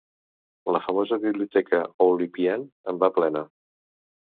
La famosa «Biblioteca Oulipienne» en va plena.